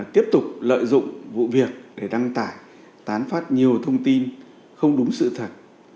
tiếp tục lợi dụng vụ việc để đăng tải tán phát nhiều thông tin không đúng sự thật